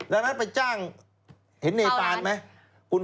ดังนั้นไปจ้างเห็นเนปานไหม